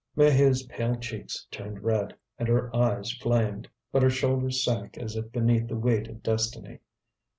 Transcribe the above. Maheude's pale cheeks turned red, and her eyes flamed. But her shoulders sank as if beneath the weight of destiny.